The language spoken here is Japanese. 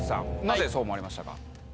なぜそう思われましたか？